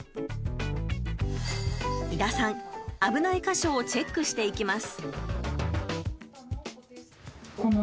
井田さん、危ない箇所をチェックしていきます。